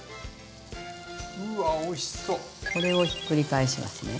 でこれをひっくり返します。